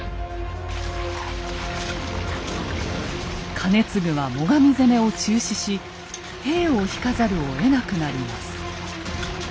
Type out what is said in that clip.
兼続は最上攻めを中止し兵を引かざるをえなくなります。